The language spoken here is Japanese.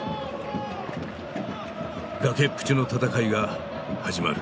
崖っぷちの戦いが始まる。